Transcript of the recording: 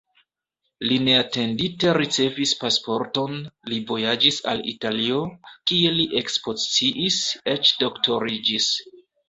Li neatendite ricevis pasporton, li vojaĝis al Italio, kie li ekspoziciis, eĉ doktoriĝis.